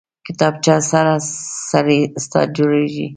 کتابچه سره سړی استاد جوړېږي